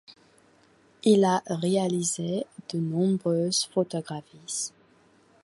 Il a réalisé de nombreuses photographies.